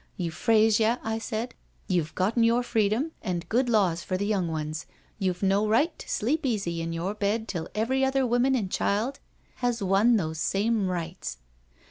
Euphrasia,' I said, ' you've gotten your freedom and good laws for the young ones, you've no right to sleep easy in your bed till every other woman and child has won those same rights.'